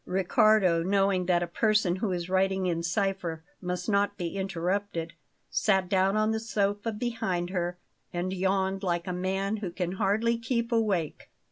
Riccardo, knowing that a person who is writing in cipher must not be interrupted, sat down on the sofa behind her and yawned like a man who can hardly keep awake.